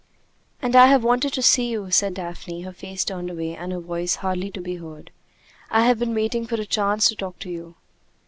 "And I have wanted to see you," said Daphne, her face turned away and her voice hardly to be heard. "I have been waiting for a chance to talk to you."